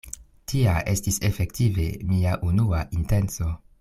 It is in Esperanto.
Tia estis efektive mia unua intenco.